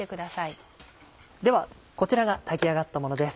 ではこちらが炊き上がったものです。